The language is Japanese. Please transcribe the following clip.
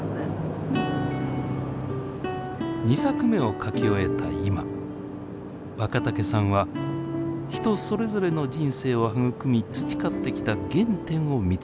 ２作目を書き終えた今若竹さんは人それぞれの人生を育み培ってきた原点を見つめようと考えています。